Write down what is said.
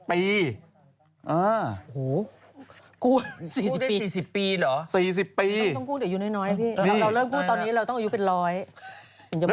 ๔๐ปีต้องกู้เดี๋ยวอยู่น้อยพี่เราเริ่มกู้ตอนนี้เราต้องอายุเป็น๑๐๐